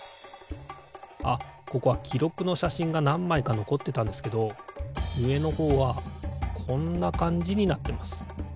あここはきろくのしゃしんがなんまいかのこってたんですけどうえのほうはこんなかんじになってます。